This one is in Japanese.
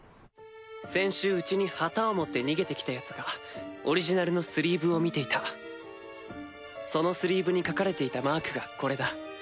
先週ウチに旗を持って逃げてきたヤツがオリジナルのスリーブを見ていたそのスリーブに描かれていたマークがこれだ。